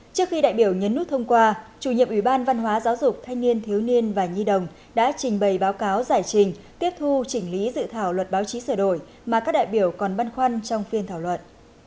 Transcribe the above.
trước khi đại biểu nhấn nút thông qua chủ nhiệm ủy ban văn hóa giáo dục thanh niên thiếu niên và nhi đồng đã trình bày báo cáo giải trình tiếp thu chỉnh lý dự thảo luật báo chí sửa đổi mà các đại biểu còn băn khoăn trong phiên thảo luận